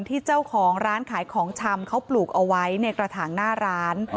ที่เจ้าของร้านขายของชำเขาปลูกเอาไว้ในกระถางหน้าร้าน